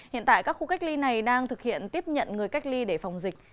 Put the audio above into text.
hiện tại các khu cách ly này đang thực hiện tiếp nhận người cách ly để phòng dịch